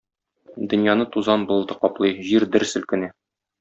Дөньяны тузан болыты каплый, җир дер селкенә.